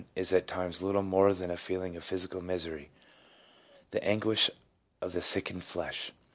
is at times little more than a feeling of physical misery, the anguish of the sickened flesh.